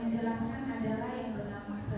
kalau memakai baju itu